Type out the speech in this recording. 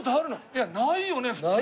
いやないよね普通。